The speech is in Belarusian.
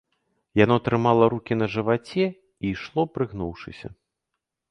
Яно трымала рукі на жываце і ішло прыгнуўшыся.